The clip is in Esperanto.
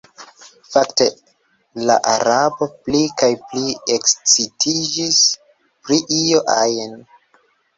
Fakte la Arabo pli kaj pli ekscitiĝis pri io ajn.